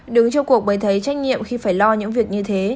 đứng trong cuộc mới thấy trách nhiệm khi phải lo những việc như thế